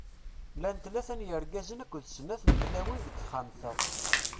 Llan tlata n yirgazen akked d snat n tlawin deg texxamt-a.